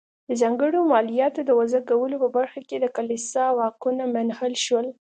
د ځانګړو مالیاتو د وضع کولو په برخه کې د کلیسا واکونه منحل شول.